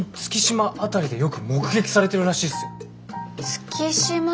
月島？